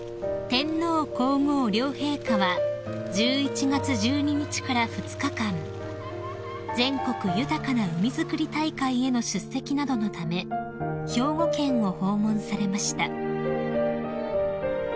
［天皇皇后両陛下は１１月１２日から２日間全国豊かな海づくり大会への出席などのため兵庫県を訪問されました］